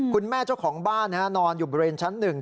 คุณแม่เจ้าของบ้านนอนอยู่บริเวณชั้น๑